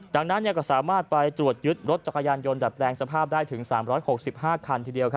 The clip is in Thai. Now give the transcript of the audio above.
ดังนั้นก็สามารถไปตรวจยึดรถจักรยานยนต์ดัดแปลงสภาพได้ถึง๓๖๕คันทีเดียว